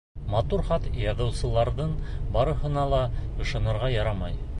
Матур хат яҙыусыларҙың барыһына ла ышанырға ярамай.